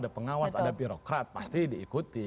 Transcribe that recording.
ada pengawas ada birokrat pasti diikuti